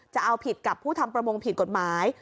จะเอาผิดกับผู้ทำประมงผิดกฎหมาย